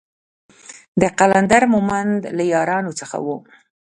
د قلندر مومند له يارانو څخه و.